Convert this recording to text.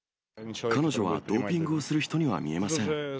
彼女はドーピングをする人には見えません。